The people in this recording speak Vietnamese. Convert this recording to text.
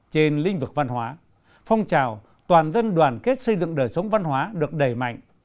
trên lĩnh vực văn hóa phong trào toàn dân đoàn kết xây dựng đời sống văn hóa được đẩy mạnh